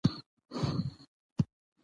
ترکیب د ژبي بنسټیز عنصر دئ.